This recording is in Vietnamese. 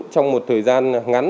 trong một thời gian ngắn